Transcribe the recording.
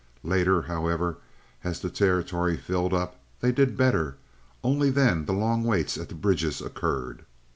Later, however, as the territory filled up, they did better; only then the long waits at the bridges occurred.